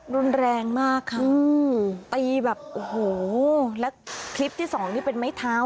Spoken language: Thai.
รุนแรงมากค่ะตีแบบโอ้โหแล้วคลิปที่สองนี่เป็นไม้เท้า